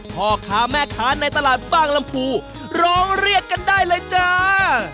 พ่อค้าแม่ค้าในตลาดบางลำพูร้องเรียกกันได้เลยจ้า